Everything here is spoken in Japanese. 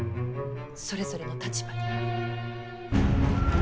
それぞれの立場で。